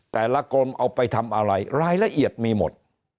แต่ละคนเอาไปทำอะไรรายละเอียดมีหมด